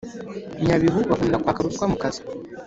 nyabihu bakunda kwaka ruswa mu kazi